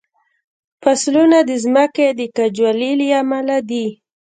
فصلونه د ځمکې د کجوالي له امله دي.